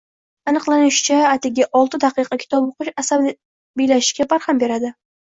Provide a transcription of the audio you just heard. Aniqlanishicha, atigi olti daqiqa kitob o‘qish asabiylashishga barham beradi.